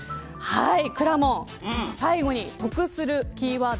くらもん、最後に得するキーワード